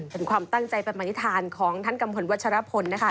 เป็นความตั้งใจประมาณนิษฐานของท่านกัมพลวัชรพลนะคะ